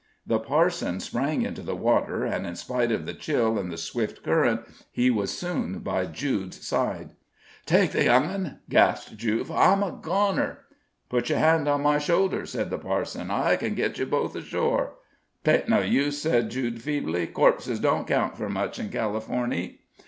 The parson sprang into the water, and, in spite of the chill and the swift current, he was soon by Jude's side. "Take the young un," gasped Jude, "for I'm a goner." "Put your hand on my shoulder," said the parson. "I can get you both ashore." '"Tain't no use," said Jude, feebly; "corpses don't count for much in Californy."